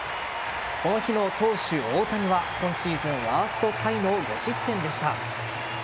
この日の投手・大谷は今シーズンワーストタイの５失点でした。